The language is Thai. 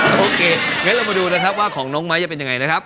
โอเคงั้นเรามาดูนะครับว่าของน้องไม้จะเป็นยังไงนะครับ